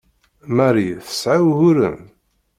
Marie tesɛa uguren?